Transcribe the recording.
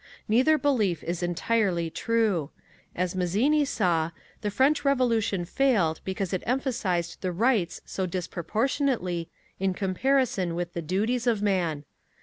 Neither belief is entirely true. As Mazzini saw, the French Revolution failed because it emphasized the rights so disproportionately in comparison with the duties of man.